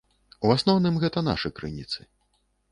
У асноўным гэта нашы крыніцы.